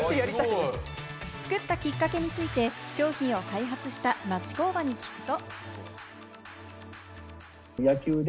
作ったきっかけについて、商品を開発した町工場に聞くと。